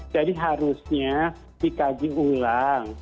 jadi harusnya dikaji ulang